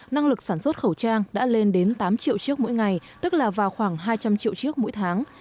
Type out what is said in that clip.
năng lực sản xuất khẩu trang đã lên đến tám triệu chiếc mỗi ngày tức là vào khoảng hai trăm linh triệu chiếc mỗi tháng